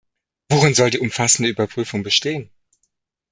Worin soll die umfassende Überprüfung bestehen?